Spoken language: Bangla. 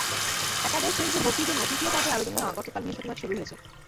একাদশ শ্রেণিতে ভর্তির জন্য তৃতীয় পর্যায়ে আবেদন নেওয়া গতকাল বৃহস্পতিবার শুরু হয়েছে।